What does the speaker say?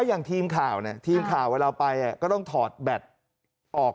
อย่างทีมข่าวเนี่ยทีมข่าวเวลาไปก็ต้องถอดแบตออก